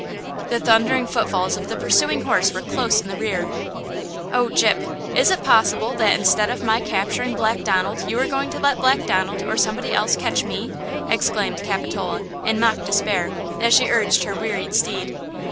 The thundering footfalls of the pursuing horse were close in the rear. "Oh, Gyp, is it possible that, instead of my capturing Black Donald, you are going to let Black Donald or somebody else catch me?" exclaimed Capitola, in mock despair, as she urged her wearied steed.